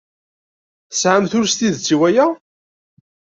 Tesɛamt ul s tidet i waya?